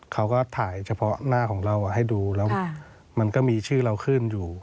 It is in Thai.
เขาก็ถ่ายเฉพาะหน้าของเราให้ดูแล้วมันก็มีชื่อเราขึ้นอยู่